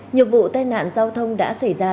nhiều vụ tai nạn giao thông đã xảy ra